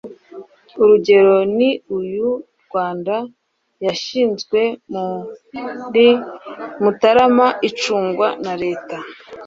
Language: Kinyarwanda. urugero ni y'u rwanda yashinzwe muri mutarama icungwa na na leta